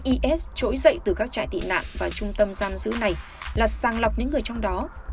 is trỗi dậy từ các trại tị nạn và trung tâm giam giữ này là sàng lọc những người trong đó